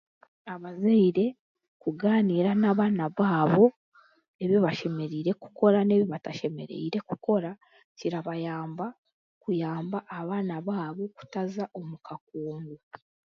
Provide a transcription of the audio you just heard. Abazaire kugaanira n'abaana baabo ebi bashemereire kukora n'ebi batashemereire kukora kirabayamba kuyamba abaana baabo kutaza omu kakungu